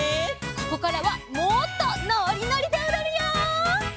ここからはもっとのりのりでおどるよ！